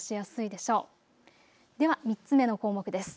では３つ目の項目です。